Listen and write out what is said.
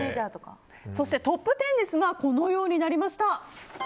そしてトップ１０はこのようになりました。